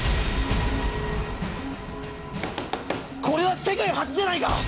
これは世界初じゃないか！